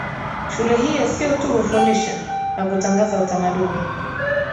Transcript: Shule hiyo si tu hufundisha na kutangaza utamaduni